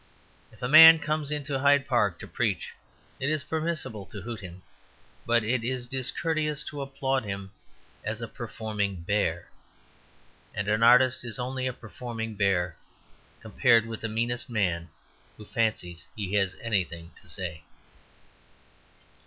If a man comes into Hyde Park to preach it is permissible to hoot him; but it is discourteous to applaud him as a performing bear. And an artist is only a performing bear compared with the meanest man who fancies he has anything to say.